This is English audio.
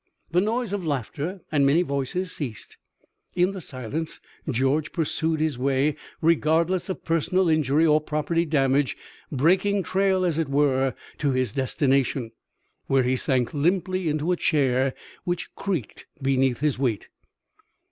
The noise of laughter and many voices ceased. In the silence George pursued his way regardless of personal injury or property damage, breaking trail, as it were, to his destination, where he sank limply into a chair which creaked beneath his weight.